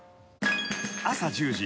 ［朝１０時。